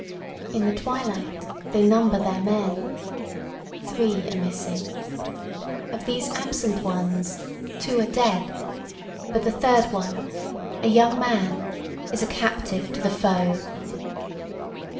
In the twilight they number their men. Three are missing. Of these absent ones two are dead; but the third one, a young man, is a captive to the foe.